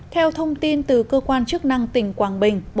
theo thông tin từ cơ quan chức năng tỉnh quảng bình